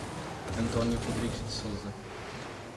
Antônio Rodrigues de Souza